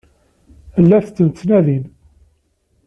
La tent-ttnadin?